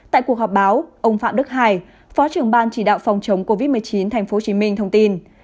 tại cuộc họp báo ông phạm đức hải phó trưởng ban chỉ đạo phòng chống covid một mươi chín thành phố hồ chí minh thông tin